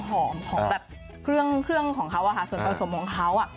ของเครื่องของเขาส่วนผสมของเขา